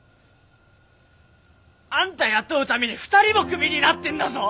あんた雇うために２人もクビになってんだぞ！